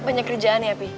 banyak kerjaan ya pi